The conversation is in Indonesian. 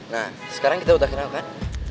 nah sekarang kita udah kenal kan